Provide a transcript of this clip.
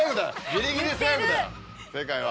ギリギリセーフだよ正解は？